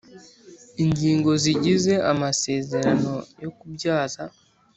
Ingingo zigize amasezerano yo kubyaza